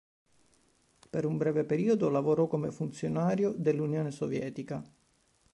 Per un breve periodo lavorò come funzionario dell'Unione Sovietica.